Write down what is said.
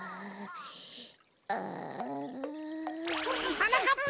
はなかっぱ！